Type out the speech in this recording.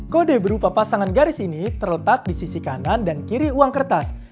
kode berupa pasangan garis ini terletak di sisi kanan dan kiri uang kertas